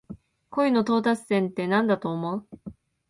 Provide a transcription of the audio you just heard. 恋の到達点ってなんだと思う？